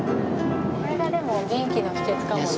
これがでも元気の秘訣かもね。